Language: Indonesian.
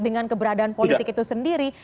dengan keberadaan politik itu sendiri